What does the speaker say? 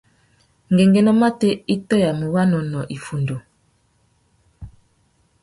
Ngüéngüinô matê i tôyamú wanônōh iffundu.